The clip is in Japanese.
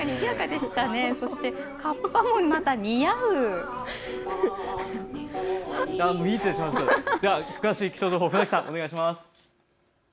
では地区詳しい気象情報、船木さんお願いします。